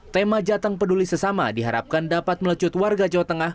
tema jateng peduli sesama diharapkan dapat melecut warga jawa tengah